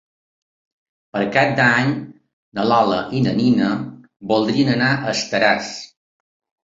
Per Cap d'Any na Lola i na Nina voldrien anar a Estaràs.